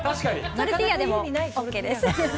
トルティーヤでもＯＫです。